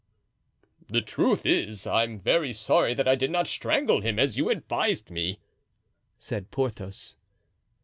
"The truth is, I'm very sorry that I did not strangle him as you advised me," said Porthos.